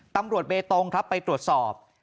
ตำรวจเบตงครับไปตรวจสอบ